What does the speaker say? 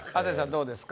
どうですか？